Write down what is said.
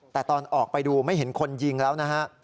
แต่ตอนออกไปดูไม่เห็นคนยิงแล้วนะฮะ